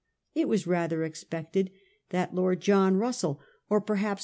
It was rather expected that Lord John Russell, or perhaps Mr, 1846.